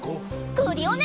クリオネ！